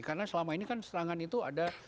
karena selama ini kan serangan itu ada